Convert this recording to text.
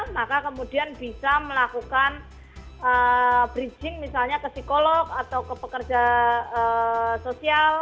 maka kemudian bisa melakukan bridging misalnya ke psikolog atau ke pekerja sosial